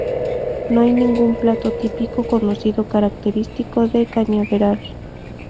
No hay ningún plato típico conocido característico de Cañaveral.